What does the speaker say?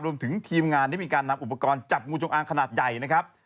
รวมถึงทีมงานได้มีการนำอุปกรณ์จับงูจงอางขนาดใหญ่นะครับ